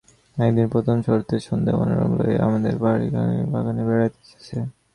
একদিন প্রথম শরতের সন্ধ্যায় মনোরমাকে লইয়া আমাদের বরানগরের বাগানে বেড়াইতেছি।